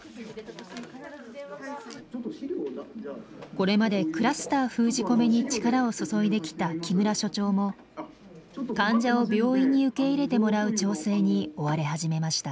これまでクラスター封じ込めに力を注いできた木村所長も患者を病院に受け入れてもらう調整に追われ始めました。